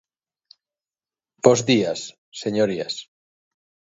Bos día, señorías.